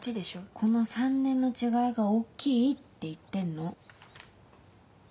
この３年の違いが大っきいって言ってんの。